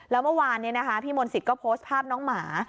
แล้วเมื่อวานพี่มนต์สิทธิ์ก็โพสต์ภาพน้องหมา